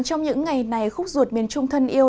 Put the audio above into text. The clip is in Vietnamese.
trong những ngày này khúc ruột miền trung thân yêu